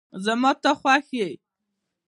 زما ته خوښ یی